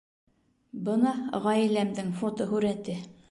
Бына ғаиләмдең фотоһүрәте